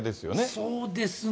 そうですね。